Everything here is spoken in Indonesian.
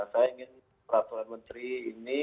saya ingin peraturan menteri ini